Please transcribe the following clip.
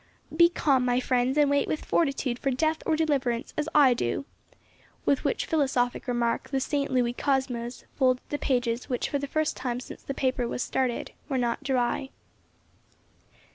"Be calm, my friends, and wait with fortitude for death or deliverance, as I do." With which philosophic remark "The St. Louis Cosmos" folded the pages which for the first time since the paper was started, were not dry.